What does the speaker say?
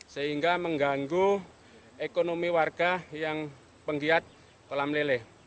sehingga mengganggu ekonomi warga yang penggiat kolam leleh